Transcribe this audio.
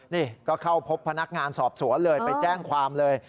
นี่ก็เข้าพบพนักงานสอบสวนเลยไปแจ้งความเลย